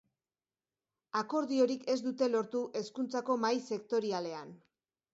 Akordiorik ez dute lortu hezkuntzako mahai sektorialean.